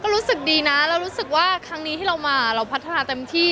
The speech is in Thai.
รู้สึกดีนะเรารู้สึกว่าครั้งนี้ที่เรามาเราพัฒนาเต็มที่